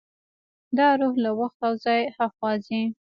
دا روح له وخت او ځای هاخوا ځي.